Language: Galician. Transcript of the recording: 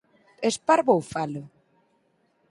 Es parvo ou falo?